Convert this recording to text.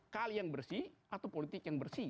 kali yang bersih atau politik yang bersih